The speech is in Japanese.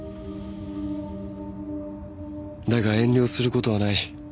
［だが遠慮することはない］